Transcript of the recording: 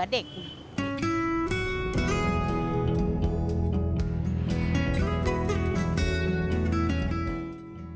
ดีค่ะ